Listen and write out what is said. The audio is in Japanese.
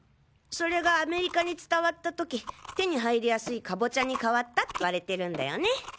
それがアメリカに伝わったとき手に入りやすいカボチャに変わったって言われてるんだよね。